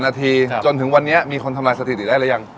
นาทีจนถึงวันนี้มีคนทำลายสถิติได้หรือยัง